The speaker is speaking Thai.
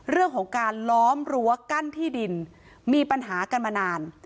เรื่องของการล้อมรั้วกั้นที่ดินมีปัญหากันมานาน